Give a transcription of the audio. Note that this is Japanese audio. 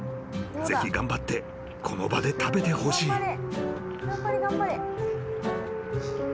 ［ぜひ頑張ってこの場で食べてほしい］